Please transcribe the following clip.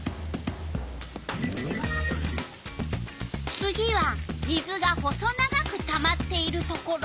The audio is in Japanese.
次は水が細長くたまっているところ。